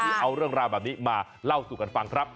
เอาเรื่องราวแบบนี้มาเล่าสู่กันฟังครับ